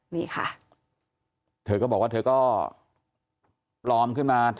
นี่ค่ะเธอก็บอกว่าเธอก็ปลอมขึ้นมา